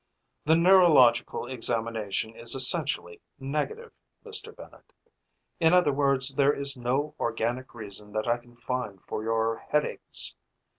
"The neurological examination is essentially negative, Mr. Bennett. In other words, there is no organic reason that I can find for your headaches.